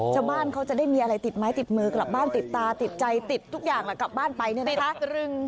ชาวบ้านเขาจะได้มีอะไรติดไม้ติดมือกลับบ้านติดตาติดใจติดทุกอย่างแหละกลับบ้านไปเนี่ยนะคะ